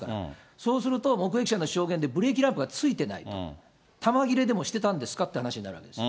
そうすると目撃者の証言でブレーキランプがついてないと、球切れでもしてたんですかって話になります。